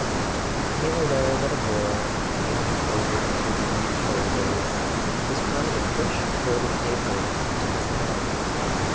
He became aware that a boy, leaning over inter¬ vening shoulders, was trying to push a folded paper into his hand.